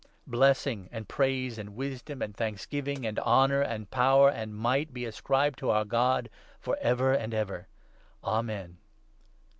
Blessing, and praise, and wisdom, and thanksgiving, and honour, and power, and might be ascribed to our God for ever and ever. Amen.